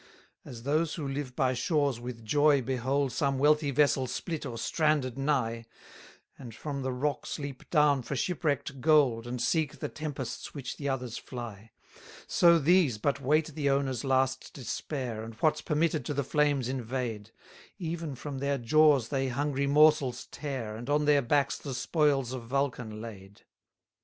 251 As those who live by shores with joy behold Some wealthy vessel split or stranded nigh; And from the rocks leap down for shipwreck'd gold, And seek the tempests which the others fly: 252 So these but wait the owners' last despair, And what's permitted to the flames invade; Even from their jaws they hungry morsels tear, And on their backs the spoils of Vulcan lade.